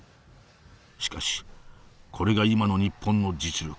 しかしこれが今の日本の実力。